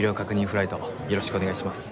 フライトよろしくお願いします。